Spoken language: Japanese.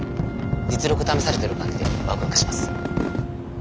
実力試されてる感じでワクワクします。